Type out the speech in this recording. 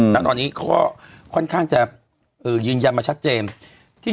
ท่านตอนนี้เขาก็ค่อนข้างจะยินยำมาชัดเจน